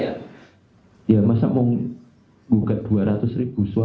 nasional itu adalah secara presentasi itu dua delapan puluh satu dan yang sudah pasti ya